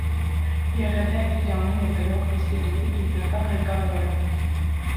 Եղել է իր անունը կրող ինստիտուտի գիտական ղեկավարը։